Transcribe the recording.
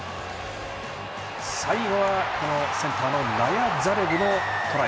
最後はセンターのナヤザレブのトライ。